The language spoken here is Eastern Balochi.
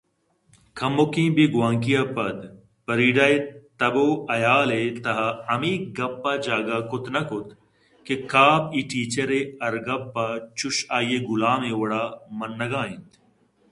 کموکیں بے گوٛانکی ءَ پد فریڈا ءِ تب ءُحیال ءِ تہاہمے گپ ءَ جاگہ کُت نہ کُت کہ کاف اے ٹیچر ءِ ہر گپ ءَ چوشں آئی ءِ گلام ءِ وڑا منّگ ءَ اِنت